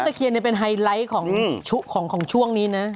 เคียนเป็นไฮไลท์ของช่วงนี้นะ